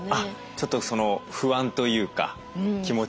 ちょっと不安というか気持ち？